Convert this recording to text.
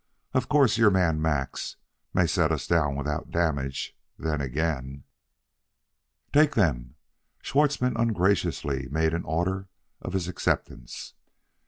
Of course, your man, Max, may set us down without damage; then again " "Take them!" Schwartzmann ungraciously made an order of his acceptance.